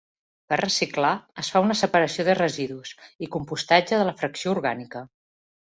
Per reciclar, es fa una separació de residus, i compostatge de la fracció orgànica.